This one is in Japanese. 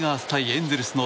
エンゼルスの